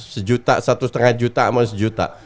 sejuta satu setengah juta sama sejuta